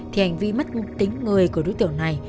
thì hành vi mất tính người của đối tượng này